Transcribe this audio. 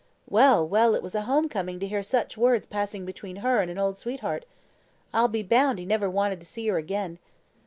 Well, well! it was a home coming to hear such words passing between her and an old sweetheart. I'll be bound he never wanted to see her again.